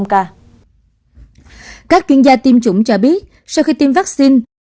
các chuyên gia tiêm chủng cho biết sau khi tiêm vaccine